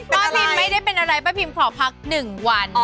ป้าพิมไม่ได้เป็นอะไรป้าพิมขอพักหนึ่งวัน